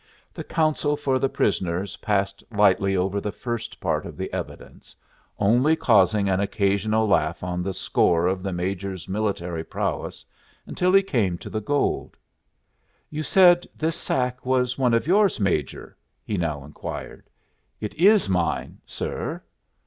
The counsel for the prisoners passed lightly over the first part of the evidence, only causing an occasional laugh on the score of the Major's military prowess, until he came to the gold. "You said this sack was one of yours, Major?" he now inquired. "It is mine, sir."